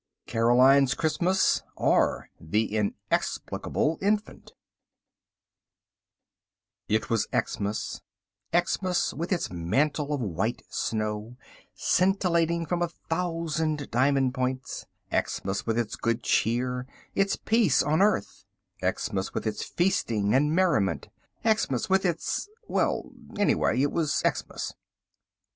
Caroline's Christmas: or, The Inexplicable Infant It was Xmas—Xmas with its mantle of white snow, scintillating from a thousand diamond points, Xmas with its good cheer, its peace on earth—Xmas with its feasting and merriment, Xmas with its—well, anyway, it was Xmas.